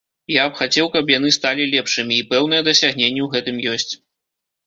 Я б хацеў, каб яны сталі лепшымі, і пэўныя дасягненні ў гэтым ёсць.